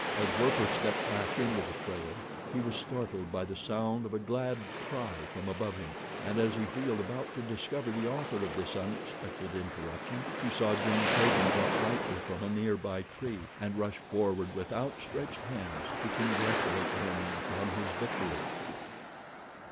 As Werper stepped back into the trail, he was startled by the sound of a glad cry from above him, and as he wheeled about to discover the author of this unexpected interruption, he saw Jane Clayton drop lightly from a nearby tree and run forward with outstretched hands to congratulate him upon his victory.